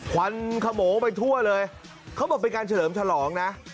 ควันขโมงไปทั่วเลยเขาบอกเป็นการเฉลิมฉลองนะ